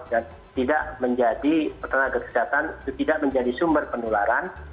dan tidak menjadi petugas kesehatan itu tidak menjadi sumber pendularan